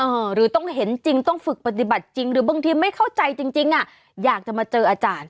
หรือต้องเห็นจริงต้องฝึกปฏิบัติจริงหรือบางทีไม่เข้าใจจริงจริงอ่ะอยากจะมาเจออาจารย์